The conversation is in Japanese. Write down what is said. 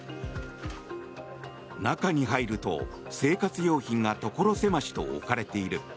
中に入ると生活用品が所狭しと置かれている。